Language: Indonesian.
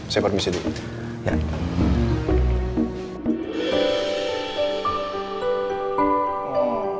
saya permisi dulu